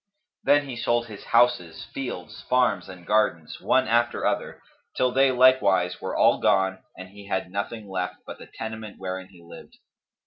Then he sold his houses, fields, farms and gardens, one after other, till they likewise were all gone and he had nothing left but the tenement wherein he lived.